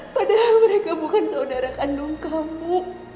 padahal mereka bukan saudara kandung kamu